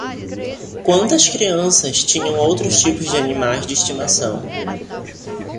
Quantas crianças tinham outros tipos de animais de estimação?